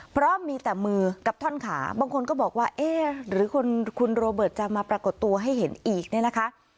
เพราะมีแต่มือกับท่อนขาบางคนก็บอกว่าเอ๊ะหรือคุณโรเบิร์ตจะมาปรากฏตัวให้เห็นอีกเนี่ยนะคะ